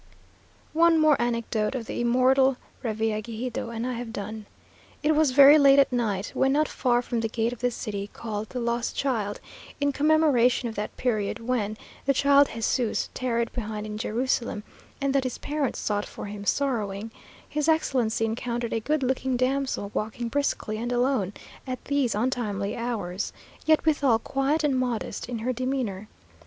One more anecdote of the "immortal Revillagigedo," and I have done. It was very late at night, when not far from the gate of the city called "The lost child," (in commemoration of that period when "the child Jesús tarried behind in Jerusalem," and that his parents sought for him sorrowing,) his Excellency encountered a good looking damsel, walking briskly and alone, at these untimely hours; yet withal quiet and modest in her demeanour.